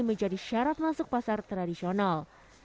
menjadi syarat masuk pasar tradisional